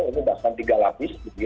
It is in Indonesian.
ini bahkan tiga lapis